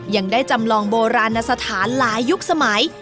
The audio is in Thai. ยังได้จำลองโบราณสถานหลายยุคสมัย